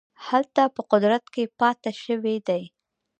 هلته په قدرت کې پاته شوي دي.